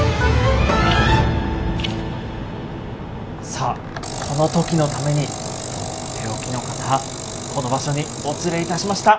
さあこの時のために取って置きの方この場所にお連れいたしました。